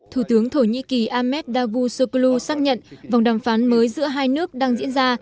thủ tướng thổ nhĩ kỳ ahmed davutoglu xác nhận vòng đàm phán mới giữa hai nước đang diễn ra